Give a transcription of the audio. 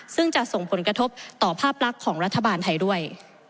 ซึ่งจะส่งผลกระทบต่อภาพลักษณ์ของรัฐบาลไทยด้วย